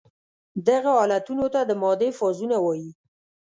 دغه حالتونو ته د مادې فازونه وايي.